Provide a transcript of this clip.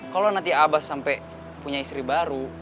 kalau nanti abah sampai punya istri baru